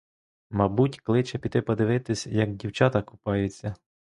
Мабуть кличе піти подивитись, як дівчата купаються?